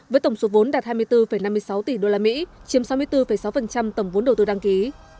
với tổng số vốn đạt hai mươi bốn năm mươi sáu tỷ usd chiếm sáu mươi bốn sáu tổng vốn đầu tư đăng ký